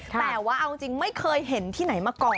แต่ว่าเอาจริงไม่เคยเห็นที่ไหนมาก่อน